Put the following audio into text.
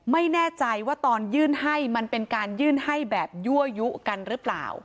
ไม่แน่ใจว่าตอนยื่นให้มันเป็นการยื่นให้แบบยั่วยุกันหรือเปล่า